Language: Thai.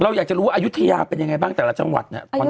เราอยากจะรู้ว่าอายุทยาเป็นยังไงบ้างแต่ละชาวัดเนี่ย